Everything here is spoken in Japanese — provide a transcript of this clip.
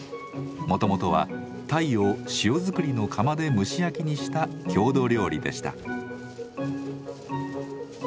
もともとは鯛を塩づくりの釜で蒸し焼きにした郷土料理でした。